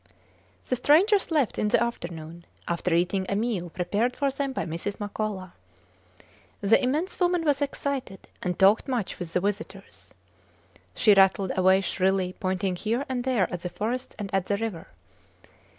The strangers left in the afternoon, after eating a meal prepared for them by Mrs. Makola. The immense woman was excited, and talked much with the visitors. She rattled away shrilly, pointing here and there at the forests and at the river.